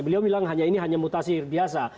beliau bilang hanya ini hanya mutasi biasa